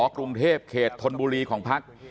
กรุงเทพเขตธนบุรีของพัก